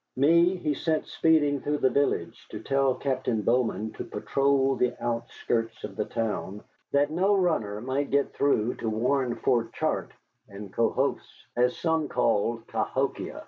Me he sent speeding through the village to tell Captain Bowman to patrol the outskirts of the town, that no runner might get through to warn Fort Chartres and Cohos, as some called Cahokia.